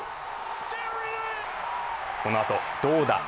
このあと、どうだ！